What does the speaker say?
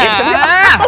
iya betul juga